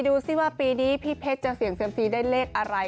ดูสิว่าปีนี้พี่เพชรจะเสี่ยงเซียมซีได้เลขอะไร